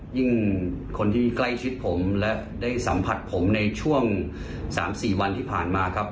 คนที่ใกล้ชิดผมและได้สัมผัสผมในช่วง๓๔วันที่ผ่านมาครับ